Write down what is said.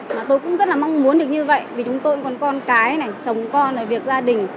và tôi cũng rất là mong muốn được như vậy vì chúng tôi còn con cái này chồng con này việc gia đình